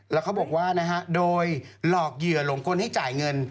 แล้วเขาบอกว่านะฮะโดยหลอกเหยื่อหลงกลให้จ่ายเงิน